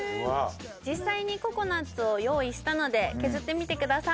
実際にココナッツを用意したので削ってみてください